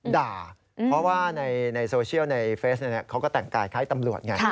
ด่าเพราะว่าในโซเชียลในเฟซเขาก็แต่งกายคล้ายตำรวจไง